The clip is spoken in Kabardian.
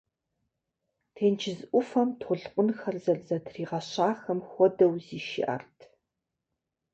Тенджыз ӏуфэм толъкъунхэр зэрызэтригъэщахэм хуэдэу зишыӏэрт.